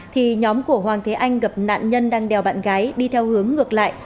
thì nhóm của hoàng thế anh gặp nạn nhân đang đèo bạn gái đi theo hướng ngược lại